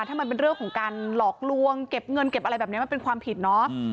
ถ้ามันเป็นเรื่องของการหลอกลวงเก็บเงินเก็บอะไรแบบนี้มันเป็นความผิดเนาะ